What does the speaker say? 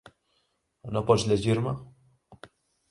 No pots llegir-me?